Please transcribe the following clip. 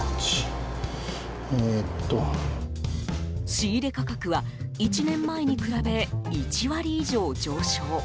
仕入れ価格は１年前に比べ１割以上、上昇。